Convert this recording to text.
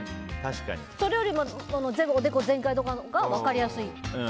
それよりもおでこ全開とかのほうが分かりやすい。